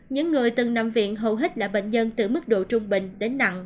những người từng nằm viện hầu hết là bệnh nhân từ mức độ trung bình đến nặng